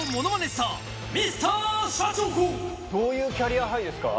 スターどういうキャリアハイですか？